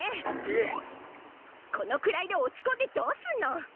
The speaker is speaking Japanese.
このくらいで落ちこんでどうすんの！